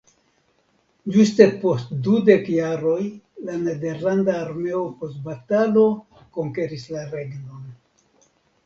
Ĝuste post du dek jaroj la nederlanda armeo post batalo konkeris la regnon.